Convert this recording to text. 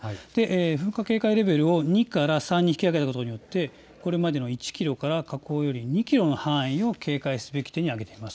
噴火警戒レベルを２から３に引き上げたことでこれまでの１キロから火口より２キロの範囲を警戒すべき点にあげています。